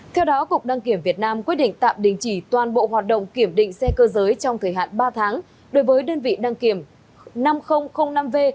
theo đó cục đăng kiểm việt nam quyết định tạm đình chỉ toàn bộ hoạt động kiểm định xe cơ giới trong thời hạn ba tháng đối với đơn vị đăng kiểm năm nghìn năm v